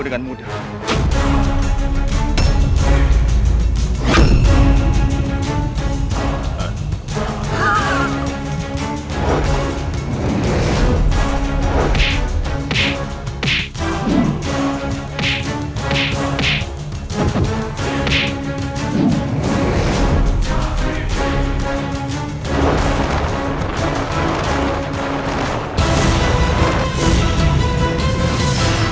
aku akan menggunakan arjian seperti ini